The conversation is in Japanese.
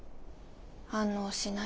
反応しない。